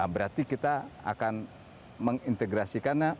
berarti kita akan mengintegrasikannya